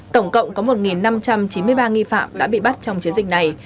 tổng cộng có một năm trăm chín mươi ba nghi phạm đã bị bắt trong chiến dịch này